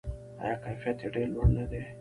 آیا کیفیت یې ډیر لوړ نه دی؟